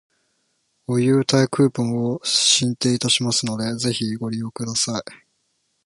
ご優待クーポンを進呈いたしますので、ぜひご利用ください